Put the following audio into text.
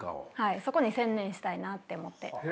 そこに専念したいなって思って。